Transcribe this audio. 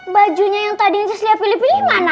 bajunya yang tadi incaz liat pilih pilih mana